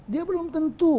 dia belum tentu